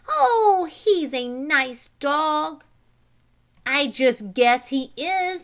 Oh, he's a nice dog!" "I just guess he is!"